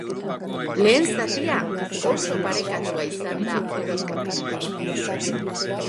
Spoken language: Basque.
Lehen zatia oso parekatu izan da orokorrean.